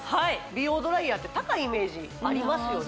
美容ドライヤーって高いイメージありますよね